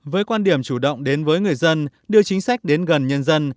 với quan điểm chủ động đến với người dân đưa chính sách đến gần nhân dân